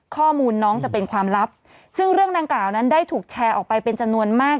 ข้อมูลน้องจะเป็นความลับซึ่งเรื่องดังกล่าวนั้นได้ถูกแชร์ออกไปเป็นจำนวนมาก